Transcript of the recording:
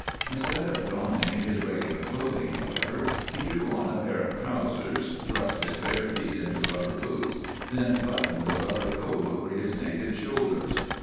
Instead of donning his regular clothing, however, he drew on a pair of trousers, thrust his bare feet into rubber boots, then buttoned a rubber coat over his naked shoulders.